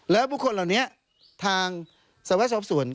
แล้วบุคคลเหล่านี้ทางสวรสอบสวน